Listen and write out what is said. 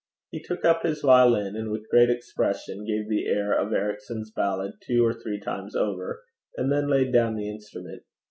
He took up his violin, and with great expression gave the air of Ericson's ballad two or three times over, and then laid down the instrument.